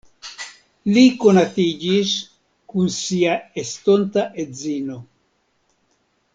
Li konatiĝis kun sia estonta edzino.